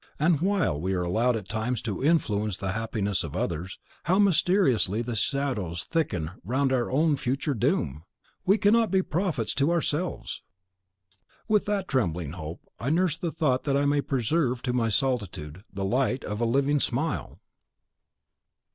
And while we are allowed at times to influence the happiness of others, how mysteriously the shadows thicken round our own future doom! We cannot be prophets to ourselves! With what trembling hope I nurse the thought that I may preserve to my solitude the light of a living smile!